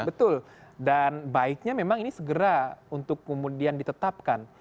betul dan baiknya memang ini segera untuk kemudian ditetapkan